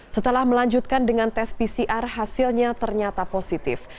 setelah melanjutkan dengan tes pcr hasilnya ternyata positif